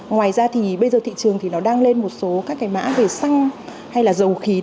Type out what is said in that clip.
ngoài ra bây giờ thị trường đang lên một số mã về xăng hay là dầu khí